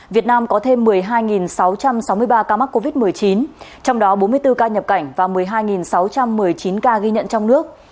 việt nam có thêm một mươi hai sáu trăm sáu mươi ba ca mắc covid một mươi chín trong đó bốn mươi bốn ca nhập cảnh và một mươi hai sáu trăm một mươi chín ca ghi nhận trong nước